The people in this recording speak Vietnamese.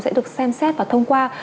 sẽ được xem xét và thông qua